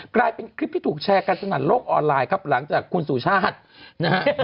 กลายเป็นคลิปที่ถูกแชร์กันสนั่นโลกออนไลน์ครับหลังจากคุณสุชาตินะฮะ